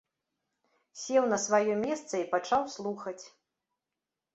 Сеў на сваё месца і пачаў слухаць.